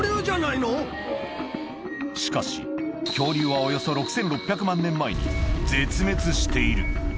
しかし、恐竜はおよそ６６００万年前に絶滅している。